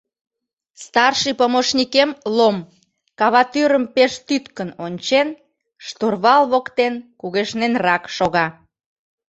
Старший помощникем Лом, каватӱрым пеш тӱткын ончен, штурвал воктен кугешненрак шога